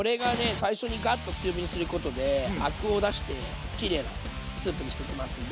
最初にガッと強火にすることでアクを出してきれいなスープにしていきますので。